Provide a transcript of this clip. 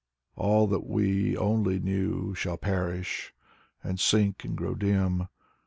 All that we only knew Shall perish and sink and grow dim.